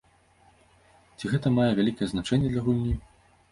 Ці гэта мае вялікае значэнне для гульні?